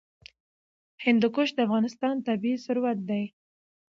هندوکش د افغانستان طبعي ثروت دی.